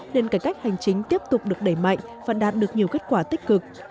nên cải cách hành chính tiếp tục được đẩy mạnh và đạt được nhiều kết quả tích cực